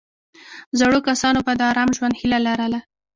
زړو کسانو به د آرام ژوند هیله لرله.